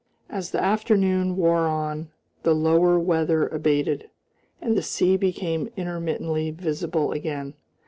4 As the afternoon wore on the lower weather abated, and the sea became intermittently visible again.